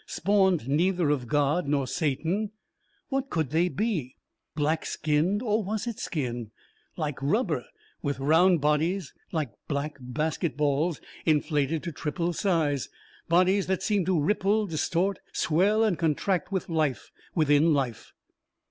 Spawned neither of God nor Satan what could they be? Black skinned or was it skin? like rubber, with round bodies, like black basket balls inflated to triple size; bodies that seemed to ripple, distort, swell and contract with life within life.